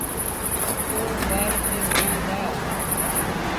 پو گُوآر کي لُڻيٚن دآ